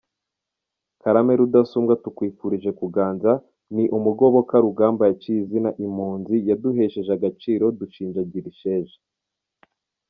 Karame rudasumbwa tukwifurije kuganza, ni umugoboka rugamba yaciye izina impunzi, yaduhesheje agaciro, dushinjagirana isheja”.